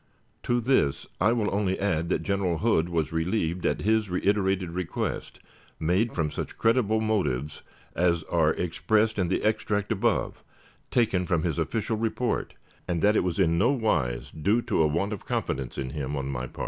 To this I will only add that General Hood was relieved at his reiterated request, made from such creditable motives as are expressed in the extract above, taken from his official report, and that it was in no wise due to a want of confidence in him on my part.